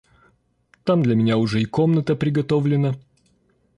Там для меня уже и комната приготовлена.